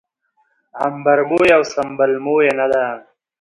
عنبربويه او سنبل مويه نه ده